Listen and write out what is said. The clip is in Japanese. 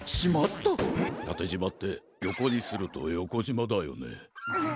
たてじまってよこにするとよこじまだよね。